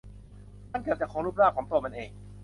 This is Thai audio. มันเกือบจะคงรูปร่างของตัวมันเอง